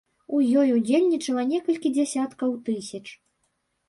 У ёй удзельнічала некалькі дзясяткаў тысяч.